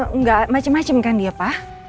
enggak macem macem kan dia pak